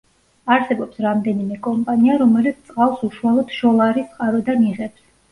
არსებობს რამდენიმე კომპანია, რომელიც წყალს უშუალოდ შოლარის წყაროდან იღებს.